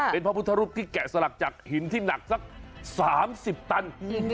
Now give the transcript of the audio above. เป็นพระพุทธรูปที่แกะสลักจากหินที่หนักสัก๓๐ตัน